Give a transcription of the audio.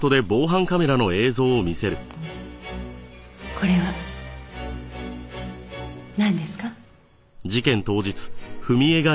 これはなんですか？